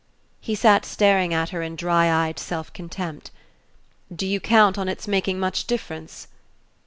He sat staring at her in dry eyed self contempt. "Do you count on its making much difference?"